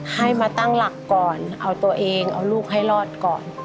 ให้มาตั้งหลักก่อนเอาตัวเองเอาลูกให้รอดก่อน